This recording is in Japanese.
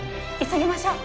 急ぎましょう。